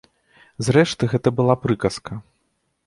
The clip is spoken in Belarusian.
Зрэшты, гэта была прыказка.